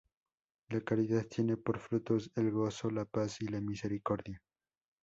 La caridad tiene por frutos el gozo, la paz y la misericordia.